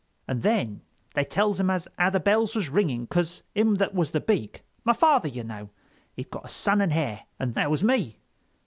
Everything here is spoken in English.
And then they tells him as how the bells was ringing 'cause him that was the Beak—my father, you know—he'd got a son and hare. And that was me.